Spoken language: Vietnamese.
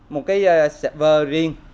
một cái server riêng